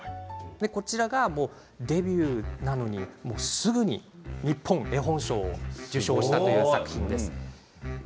こちらがデビューなのにすぐに日本絵本賞を受賞した作品です。